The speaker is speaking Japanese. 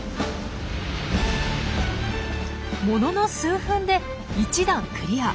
ものの数分で１段クリア！